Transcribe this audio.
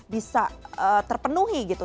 bisa terpenuhi gitu